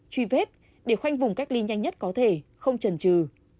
truy vết để khoanh vùng cách ly nhanh nhất có thể không trần trừ